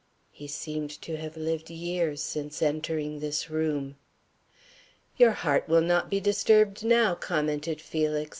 He seemed to have lived years since entering this room. "Your heart will not be disturbed now," commented Felix.